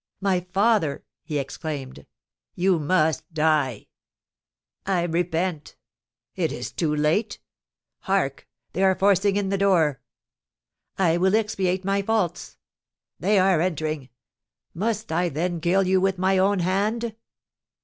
"My father!" he exclaimed. "You must die!" "I repent!" "It is too late. Hark! They are forcing in the door!" "I will expiate my faults!" "They are entering! Must I then kill you with my own hand?"